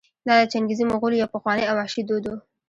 دا د چنګېزي مغولو یو پخوانی او وحشي دود و.